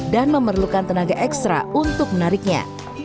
dan memerlukan tenaga ekstra untuk menariknya